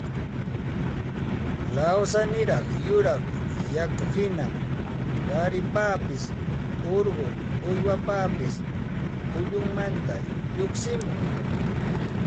lawsaniraq yuraq yakuhina qaripapas urqu uywapapas ullunmanta lluqsimuq